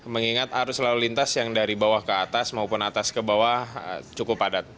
mengingat arus lalu lintas yang dari bawah ke atas maupun atas ke bawah cukup padat